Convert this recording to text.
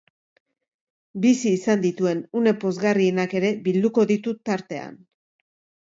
Bizi izan dituen une pozgarrienak ere bilduko ditu tartean.